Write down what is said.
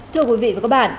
thưa quý vị và các bạn